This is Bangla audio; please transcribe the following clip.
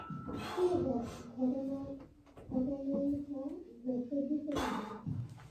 পুরো ঘটনোটা ঘটল দু সেকেণ্ডের ভেতর।